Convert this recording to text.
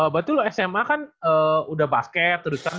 waktu lo sma kan udah basket terus kan